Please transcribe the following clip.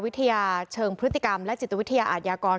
วิทยาเชิงพฤติกรรมและจิตวิทยาอาทยากร